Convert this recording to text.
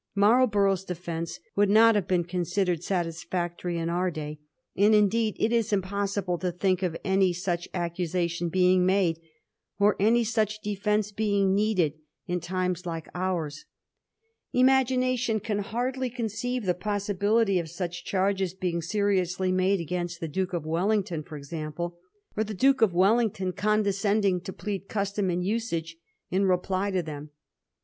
Marlborough's defence would not have been considered satisfiictory in our day ; and, indeed, it is impoBsible to think of any such accusation being made, or any such defence being needed, in times like ours. Imagination can hardly conceive the possibility of such charges being seriously made against the Duke of Wellington, for example, or the Duke of Wellington Digiti zed by Google 124 A HISTORY OF THE FOUR GEORGES. ch. tt* condescending to plead custom and usage in reply to them.